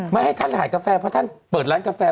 ไม่ให้ท่านขายกาแฟเพราะท่านเปิดร้านกาแฟ